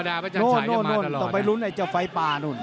นั่นต้องไปลุ้นไฟปลานู่น